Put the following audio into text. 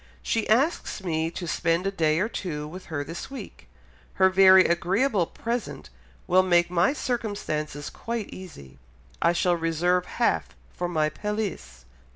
She asks me to spend a day or two with her this week ... her very agreeable present will make my circumstances quite easy; I shall reserve half for my pelisse."